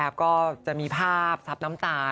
แอบก็จะมีภาพทรัพย์น้ำตา